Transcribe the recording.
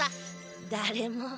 だれも。